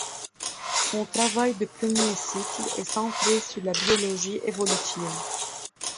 Son travail de premier cycle est centré sur la biologie évolutive.